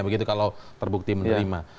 begitu kalau terbukti menerima